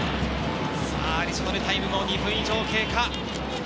アディショナルタイムの２分以上経過。